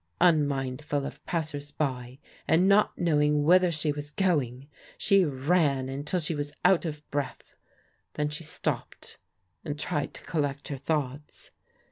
Unmindful of passers by, and not knowing whither she was going, she ran until she was out of breath. Then she stopped and tried to collect her thoughts.